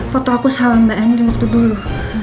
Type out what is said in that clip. foto aku sama mbak eni waktu dulu